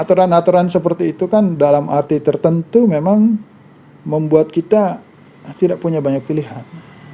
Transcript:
aturan aturan seperti itu kan dalam arti tertentu memang membuat kita tidak punya banyak pilihan